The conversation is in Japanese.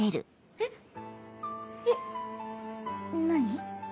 えっ何？